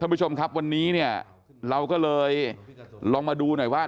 ท่านผู้ชมครับวันนี้เราก็เลยลองมาดูหน่อยว่า